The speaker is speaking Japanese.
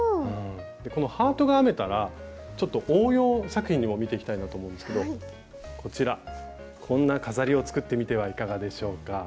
このハートが編めたらちょっと応用作品も見ていきたいなと思うんですけどこちらこんな飾りを作ってみてはいかがでしょうか。